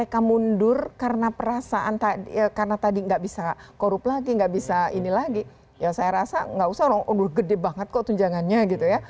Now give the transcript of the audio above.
karena perasaan tadi karena tadi nggak bisa korup lagi nggak bisa ini lagi ya saya rasa nggak usah orang orang gede banget kok tunjangannya gitu ya